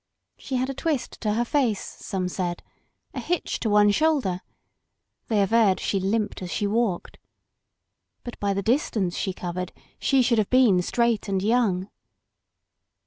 She had a twist to her face, some said; a hitch to one shoulder; they averred she limped as she walked. But by the distance she covered she should have been straight and young.